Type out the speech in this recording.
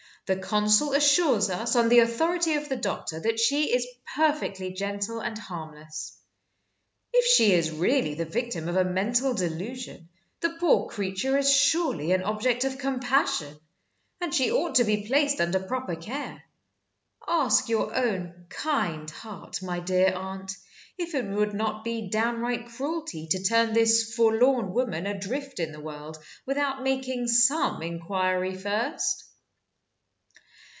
The consul assures us, on the authority of the doctor, that she is perfectly gentle and harmless. If she is really the victim of a mental delusion, the poor creature is surely an object of compassion, and she ought to be placed under proper care. Ask your own kind heart, my dear aunt, if it would not be downright cruelty to turn this forlorn woman adrift in the world without making some inquiry first."